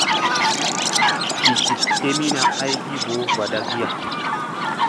Digiɗ kemina aygi voo vaɗkiya.